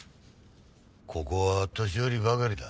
ここは年寄りばかりだ。